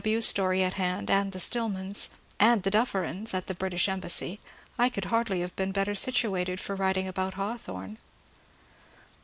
W. Story at hand, and the Stillmans, and the DufFerins (at the British Embassy) I could hardly have been better situated for writing about Hawthorne.